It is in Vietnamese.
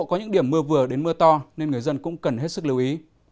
từ mưa vừa đến mưa to nên người dân cũng cần hết sức lưu ý